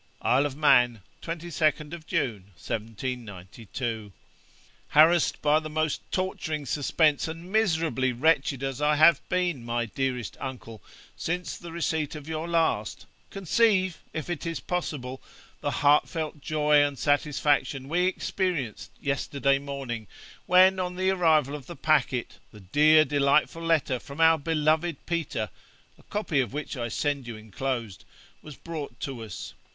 'Isle of Man, 22nd June, 1792. 'Harassed by the most torturing suspense, and miserably wretched as I have been, my dearest uncle, since the receipt of your last, conceive, if it is possible, the heartfelt joy and satisfaction we experienced yesterday morning, when, on the arrival of the packet, the dear delightful letter from our beloved Peter (a copy of which I send you enclosed) was brought to us.